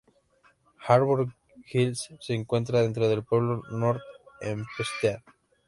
Harbor Hills se encuentra dentro del pueblo de North Hempstead.